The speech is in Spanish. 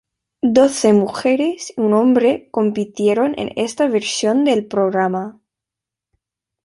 Doce mujeres y un hombre compitieron en esta versión del programa.